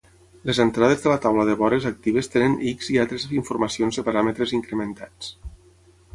Les entrades de la taula de vores actives tenen X i altres informacions de paràmetres incrementats.